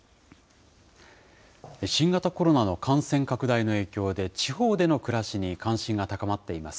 新型コロナの感染拡大の影響で、地方での暮らしに関心が高まっています。